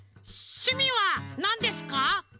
しゅみはなんですか？